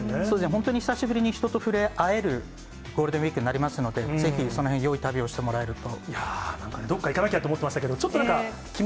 本当に久しぶりに人と触れ合えるゴールデンウィークになりますので、ぜひそのへん、よい旅をしてもらえると。